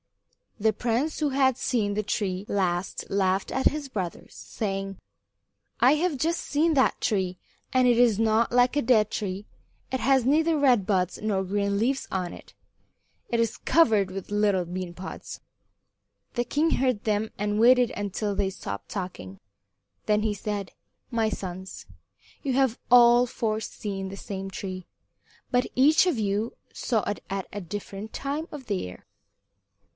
The prince who had seen the tree last laughed at his brothers, saying: "I have just seen that tree, and it is not like a dead tree. It has neither red buds nor green leaves on it. It is covered with little bean pods." The king heard them and waited until they stopped talking. Then he said: "My sons, you have all four seen the same tree, but each of you saw it at a different time of the year."